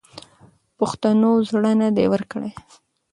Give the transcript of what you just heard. پښتنو زړه نه دی ورکړی.